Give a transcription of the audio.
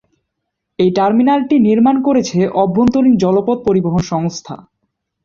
এই টার্মিনালটি নির্মাণ করেছে আভ্যন্তরীণ জলপথ পরিবহন সংস্থা।